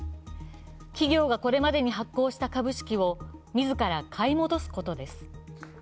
企業がこれまでに発行した株式を自ら買い戻すことです。